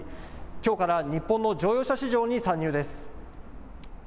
きょうから日本の乗用車市場に参入です。